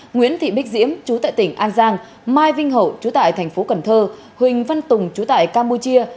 nguyễn thị bích diễm chú tại tỉnh an giang mai vinh hậu chú tại thành phố cần thơ huỳnh văn tùng chú tại campuchia